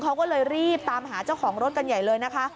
เขาก็เลยรีบตามหาเจ้าของรถกันใหญ่เลยนะคะ